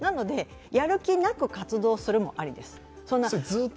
やる気なく活動するのもありです。